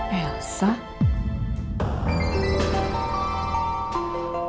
aku mau berbicara sama kamu